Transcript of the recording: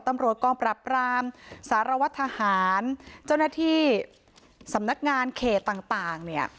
ตำรวจกองปรับรามสารวัตรทหารเจ้าหน้าที่สำนักงานเขตต่างเนี่ย